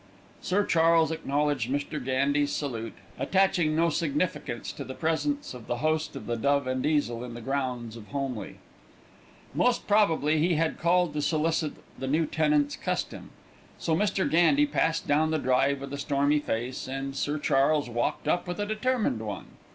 Sir Charles acknowledged Mr. Gandy's salute, attaching no significance to the presence of the host of the Dove and Easel in the grounds of Holmleigh. Most probably he had called to solicit the new tenant's custom. So Mr. Gandy passed down the drive with a stormy face, and Sir Charles walked up with a determined one.